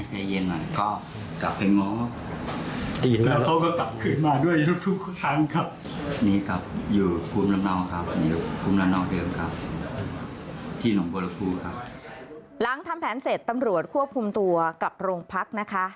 หลังทำแผนเสร็จตำรวจควบคุมตัวกลับโรงพักนะคะ